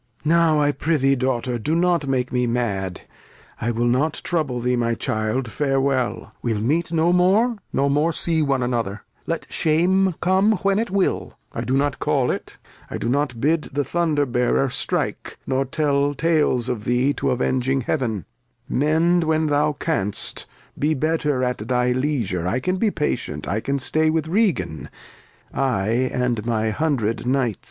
Now, I prithee Daughter, do not make me mad ; I will not trouble thee, my Child, farewell. We'U meet no more, no more see one another ; Let Shame come when it will, I do not call it, I do not bid the Thunder bearer strike, Nor tell Tales of thee to avenging Heav'n ; Mend when thou canst, be better at thy Leisure, I can be patient, I can stay with Regan, I, and my hundred Knights.